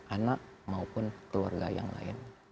anak maupun keluarga yang lain